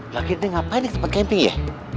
lagi ini ngapain nih ke tempat camping ya